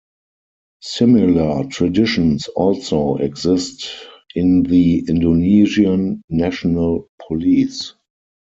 Similar traditions also exist in the Indonesian National Police.